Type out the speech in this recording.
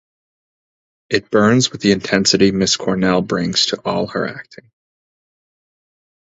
It burns with the intensity Miss Cornell brings to all her acting.